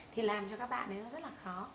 thì làm cho các bạn đấy là rất là khó